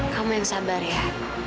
kamu yang sabar ya